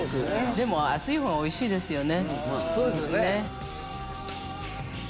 でも熱いほうがおいしいですよね。